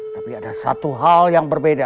tapi ada satu hal yang berbeda